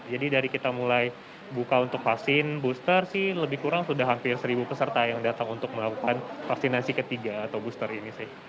jadi dari kita mulai buka untuk vaksin booster sih lebih kurang sudah hampir seribu peserta yang datang untuk melakukan vaksinasi ketiga atau booster ini sih